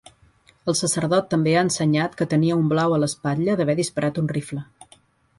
El sacerdot també ha ensenyat que tenia un blau a l'espatlla d'haver disparat un rifle.